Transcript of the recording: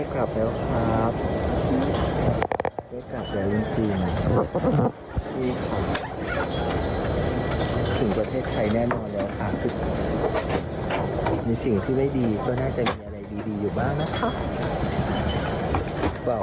คือมีสิ่งที่ไม่ดีก็น่าจะมีอะไรดีอยู่บ้างนะครับ